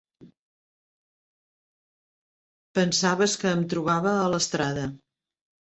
Pensaves que em trobada a l'estrada!